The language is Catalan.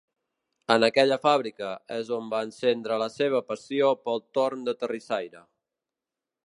En aquella fàbrica és on es va encendre la seva passió pel torn de terrissaire.